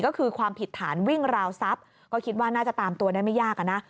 ก็คือความผิดฐานวิ่งราวทรัพย์ก็คิดว่าน่าจะตามตัวได้ไม่ยากอะนะ